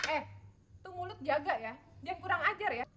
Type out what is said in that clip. eh tuh mulut jaga ya jangan kurang ajar ya